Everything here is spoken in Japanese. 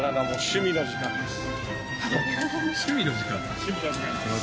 趣味の時間です。